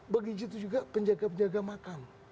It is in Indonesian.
begitu juga penjaga penjaga makam